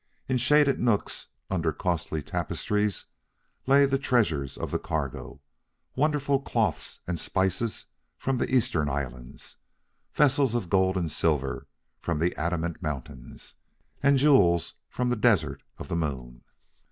In shaded nooks, under costly tapestries, lay the treasures of the cargo wonderful cloths and spices from the Eastern Islands, vessels of gold and silver from the Adamant Mountains, and jewels from the Desert of the Moon.